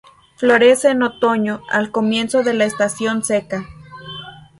Florece en otoño, al comienzo de la estación seca.